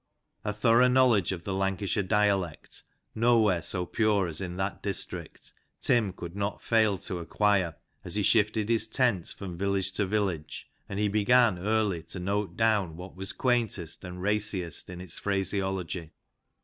A thorough knowledge of the Lancashire dialect, nowhere so pure as in that district, Tim could not fail to acquire as he shifted his tent from village to village, and he began early to note down what was quaintest and raciest in its phraseology.